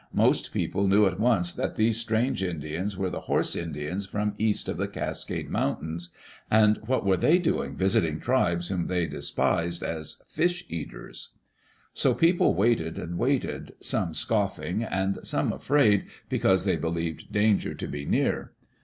Most people knew at once that these strange Indians were the horse Indians from east of the Cascade Mountains. And what were they doing visiting tribes whom they despised as "fish eaters"? Digitized by CjOOQ IC THE BATTLE OF SEATTLE So people waited and waited, some scoffing, and some afraid because they believed danger to be near.